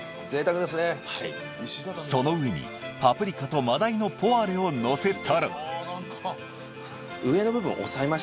その上にパプリカと真鯛のポワレをのせたらえっ